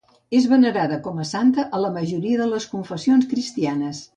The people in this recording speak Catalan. És venerada com a santa a la majoria de confessions cristianes.